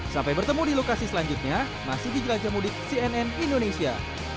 sampai bertemu di lokasi selanjutnya masih di jelajah mudik cnn indonesia